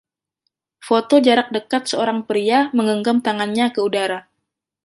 Foto jarak dekat seorang pria menggenggam tangannya ke udara.